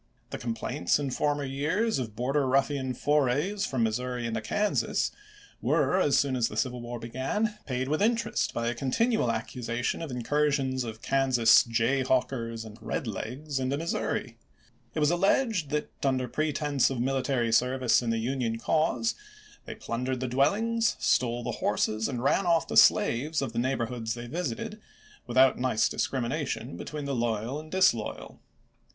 The complaints in former years of Border Ruffian forays from Missouri into Kansas, were, as soon as the civil war began, paid with interest by a con tinual accusation of incursions of Kansas " Jay hawkers" and "Red Legs" into Missouri. It was MISSOUEI GUERRILLAS AND POLITICS 371 alleged that, uuder pretense of military service in ch. xvui. the Union cause, they plundered the dwellings, stole the horses, and ran off the slaves of the neigh borhoods they visited, without nice discrimination between the loyal and disloyal.